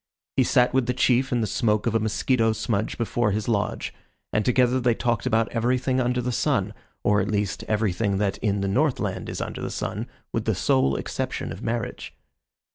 He sat with the chief in the smoke of a mosquito smudge before his lodge, and together they talked about everything under the sun, or, at least, everything that in the Northland is under the sun, with the sole exception of marriage.